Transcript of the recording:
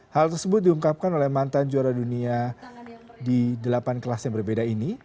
hal tersebut diungkapkan oleh mantan juara dunia di delapan kelas yang berbeda ini